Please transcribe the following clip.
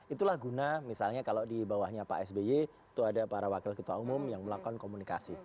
itulah guna misalnya kalau di bawahnya pak sby itu ada para wakil ketua umum yang melakukan komunikasi